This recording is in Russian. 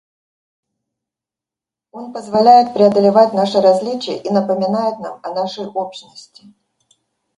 Он позволяет преодолевать наши различия и напоминает нам о нашей общности.